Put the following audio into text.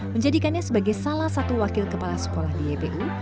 menjadikannya sebagai salah satu wakil kepala sekolah di ypu